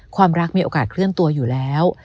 ความรักมีโอกาสเคลื่อนตัวอยู่แล้ว